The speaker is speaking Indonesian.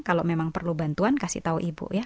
kalau memang perlu bantuan kasih tahu ibu ya